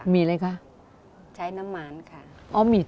มีอะไรคะใช้น้ำมันค่ะ